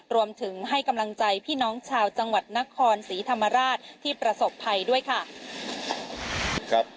รวมถึงให้กำลังใจพี่น้องชาวจังหวัดนครศรีธรรมราชที่ประสบภัยด้วยค่ะ